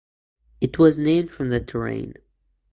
It was named from the terrain.